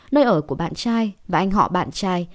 nơi ở của bạn trai và anh họ bạn trai